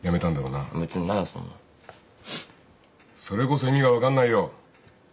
それこそ意味が分かんないよ。